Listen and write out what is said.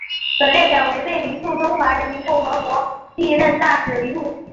本列表为贝宁驻中华人民共和国历任大使名录。